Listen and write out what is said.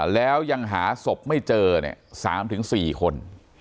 แล้วยังหาศพไม่เจอ๓๔คน